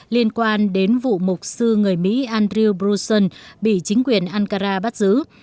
liên quan đến vụ mục sư người mỹ andrew brusson bị chính quyền ankara bắt giữ